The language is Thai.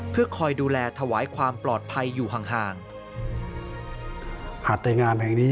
เพื่อคอยดูแลถวายความปลอดภัยอยู่ห่าง